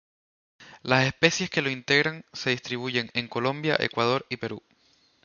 Las especies que lo integran se distribuyen en Colombia, Ecuador y Perú.